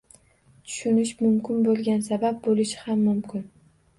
Tushunish mumkin bo‘lgan sabab bo‘lishi ham mumkin.